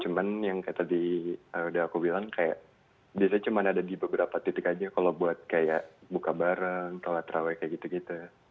cuman yang kayak tadi udah aku bilang kayak biasanya cuma ada di beberapa titik aja kalau buat kayak buka bareng sholat raweh kayak gitu gitu